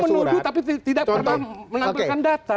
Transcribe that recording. menunggu tapi tidak pernah menampilkan data